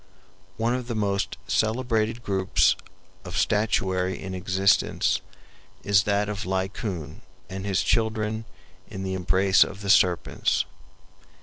One of the most celebrated groups of statuary in existence is that of Laocoon and his children in the embrace of the serpents.